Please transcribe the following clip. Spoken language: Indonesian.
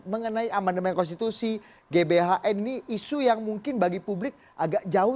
mengenai amandemen konstitusi gbhn ini isu yang mungkin bagi publik agak jauh